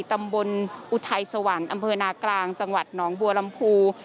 อุทัยสวรรค์อำเภอนากลางจังหวัดหนองบัวลำพู